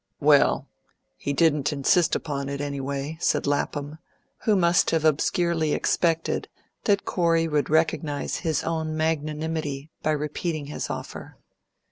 "Well, he didn't insist upon it, anyway," said Lapham, who must have obscurely expected that Corey would recognise his own magnanimity by repeating his offer.